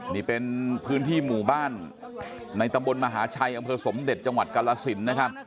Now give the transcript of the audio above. นี่เป็นพื้นที่หมู่บ้านในตำบลมหาชัยอำเภอสมเด็จจังหวัดกาลสินนะครับ